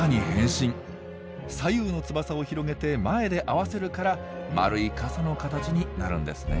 左右の翼を広げて前で合わせるから丸い傘の形になるんですね。